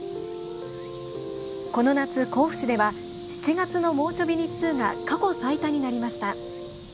この夏、甲府市では７月の猛暑日日数が過去最多になりました。